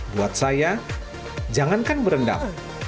buat saya jangankan berendam